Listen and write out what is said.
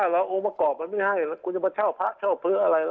แล้วองค์ประกอบมันไม่ให้แล้วคุณจะมาเช่าพระเช่าเพื่ออะไร